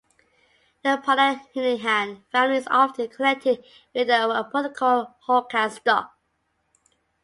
The Palaihnihan family is often connected with the hypothetical Hokan stock.